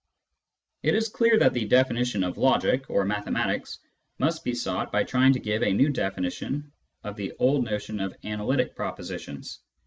It is clear that the definition of " logic " or " mathematics " must be sought by trying to give a new definition of the old notion of " analytic " propositions.